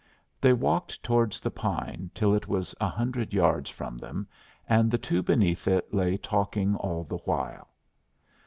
They walked towards the pine till it was a hundred yards from them, and the two beneath it lay talking all the while.